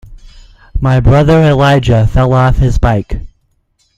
My brother Elijah fell off his bike.